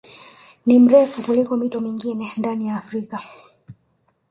Ni mrefu kuliko mito mingine ndani ya Afrika